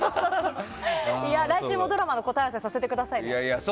来週もドラマの答え合わせさせてくださいね。